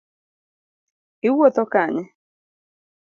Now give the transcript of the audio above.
Iwuotho kanye